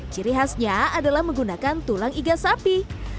ciri khasnya adalah menggunakan tulang iga sapi